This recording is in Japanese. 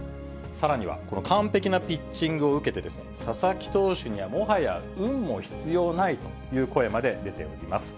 さらには、この完璧なピッチングを受けて、佐々木投手にはもはや運も必要ないという声まで出ています。